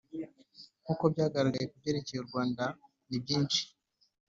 nkuko byagaragaye ku byerekeye u rwanda nibyinshi